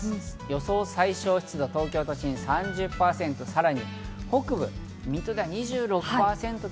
予想最小湿度、東京都心３０％、北部の水戸では２６％です。